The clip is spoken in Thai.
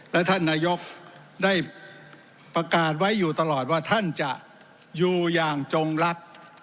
และท่านนายกได้ประกาศไว้อยู่ตลอดว่าท่านจะอยู่อย่างจงรัก